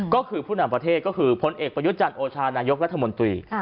ก็คือผู้นำประเทศก็คือพลเอกประยุทธ์จันทร์โอชานายกรัฐมนตรี